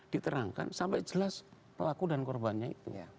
diterangkan sampai jelas pelaku dan korbannya itu